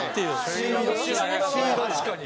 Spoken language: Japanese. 確かに。